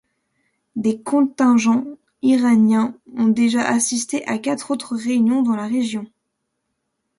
Des contingents iraniens ont déjà assisté à quatre autres réunions dans la région.